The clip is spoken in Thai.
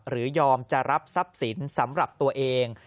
ยอมจะรับทรัพย์สินสำหรับตัวเอง